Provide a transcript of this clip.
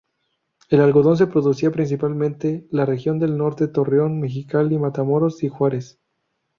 El algodón se producía principalmente la región del norte: Torreón, Mexicali, Matamoros y Juárez.